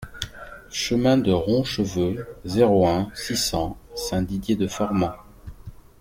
Chemin de Roncheveux, zéro un, six cents Saint-Didier-de-Formans